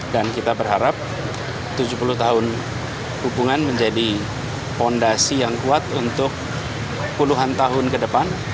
dan kita berharap tujuh puluh tahun hubungan menjadi fondasi yang kuat untuk puluhan tahun ke depan